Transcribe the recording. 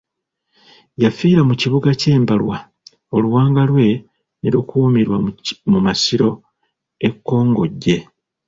Yafiira mu Kibuga kye Mbalwa, oluwanga lwe ne lukuumirwa mu masiro e Kongojje.